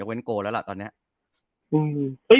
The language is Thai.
เว้นโกแล้วล่ะตอนนี้